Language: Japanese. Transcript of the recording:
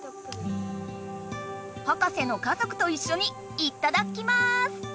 ハカセの家族といっしょにいただきます！